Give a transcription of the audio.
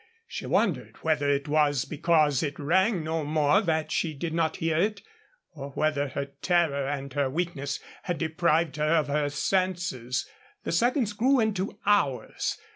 She wondered whether it was because it rang no more that she did not hear it, or whether her terror and her weakness had deprived her of her senses. The seconds grew into hours.